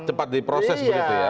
cepat diproses begitu ya